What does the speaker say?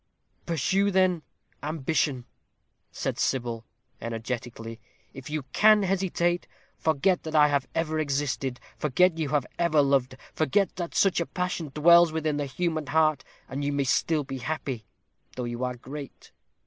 "Pursue, then, ambition," said Sybil, energetically, "if you can hesitate. Forget that I have ever existed; forget you have ever loved; forget that such a passion dwells within the human heart, and you may still be happy, though you are great."